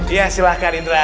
iya silahkan indra